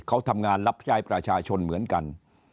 เขาทำงานรับใช้ประชาชนเหมือนกัน